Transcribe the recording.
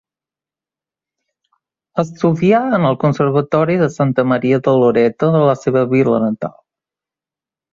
Estudià en el Conservatori de Santa Maria de Loreto de la seva vila natal.